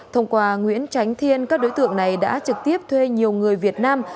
thông qua nguyễn tránh thiên các đối tượng này đã trực tiếp thuê nhiều người việt nam